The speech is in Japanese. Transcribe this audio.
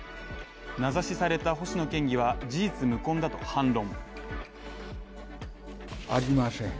名指しされた星野県議は事実無根だと反論。